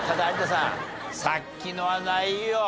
さっきのはないよ。